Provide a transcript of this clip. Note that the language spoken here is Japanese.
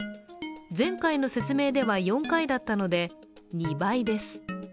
前回の説明では４回だったので２倍です。